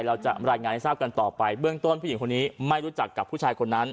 เราจะรายงานให้ทราบกันต่อไปเบื้องต้นผู้หญิงคนนี้ไม่รู้จักกับผู้ชายคนนั้น